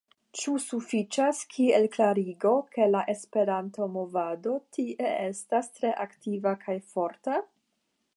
Ĉu sufiĉas kiel klarigo, ke la Esperanto-movado tie estas tre aktiva kaj forta?